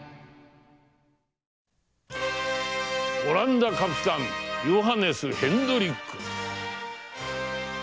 オランダカピタンヨハネス・ヘンドリック。